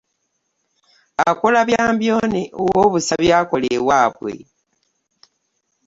Akola bya mbyone owooobusa byakola ewabwe .